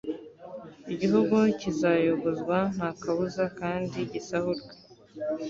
igihugu kizayogozwa nta kabuza kandi gisahurwe